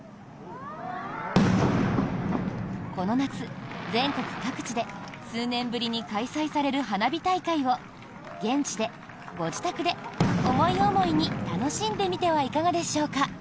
この夏、全国各地で数年ぶりに開催される花火大会を現地で、ご自宅で思い思いに楽しんでみてはいかがでしょうか。